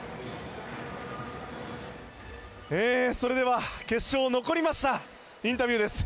それでは決勝に残りましたインタビューです。